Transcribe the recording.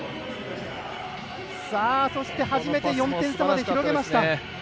そして、初めて４点差まで広げました。